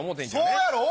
そうやろう！